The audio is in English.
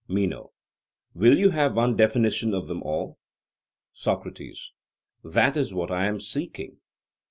MENO: Will you have one definition of them all? SOCRATES: That is what I am seeking.